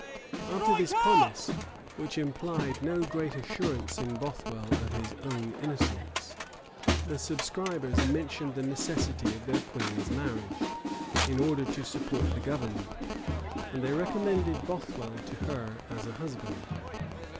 After this promise, which implied no great assurance in Bothwell of his own innocence, the subscribers mentioned the necessity of their queen's marriage, in order to support the government; and they recommended Bothwell to her as a husband.